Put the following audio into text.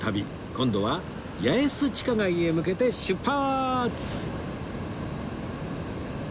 今度は八重洲地下街へ向けて出発